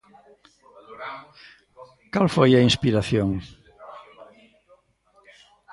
Cal foi a inspiración?